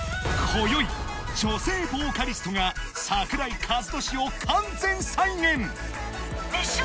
今宵女性ボーカリストが桜井和寿を完全再現『熱唱！